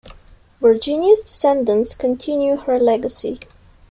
Virginia's descendants continue her legacy.